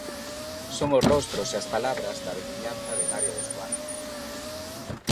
Son os rostros e as palabras da veciñanza de Navia de Suarna.